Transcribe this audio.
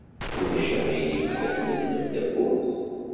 Ulac aɣilif ma tmedlem tawwurt?